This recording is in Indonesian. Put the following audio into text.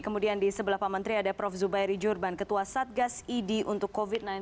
kemudian di sebelah pak menteri ada prof zubairi jurban ketua satgas idi untuk covid sembilan belas